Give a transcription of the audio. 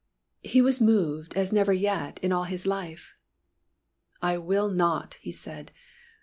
He was moved as never yet in all his life. "I will not!" he said.